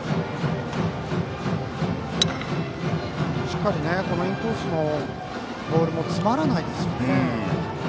しっかりインコースのボールも詰まらないですよね。